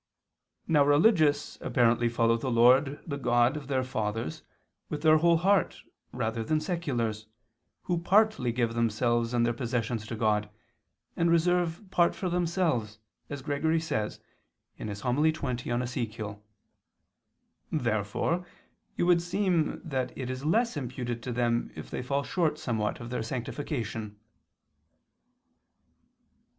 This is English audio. Now religious apparently follow the Lord the God of their fathers with their whole heart rather than seculars, who partly give themselves and their possessions to God and reserve part for themselves, as Gregory says (Hom. xx in Ezech.). Therefore it would seem that it is less imputed to them if they fall short somewhat of their sanctification.